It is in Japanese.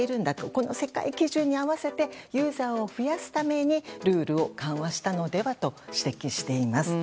この世界基準に合わせてユーザーを増やすためにルールを緩和したのではと指摘しています。